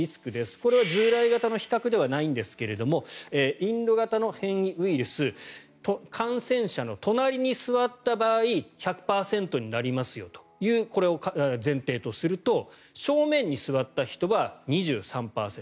これは従来型の比較ではないんですがインド型の変異ウイルス感染者の隣に座った場合１００％になりますというこれを前提にすると正面に座った人は２３％